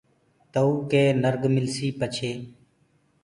تئوٚ ڪي نرگ ملسيٚ۔ پڇي